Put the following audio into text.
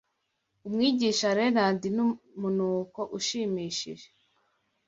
Umwigisha Renard numunuko ushimishije